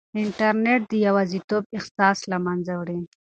انټرنیټ د یوازیتوب احساس له منځه وړي.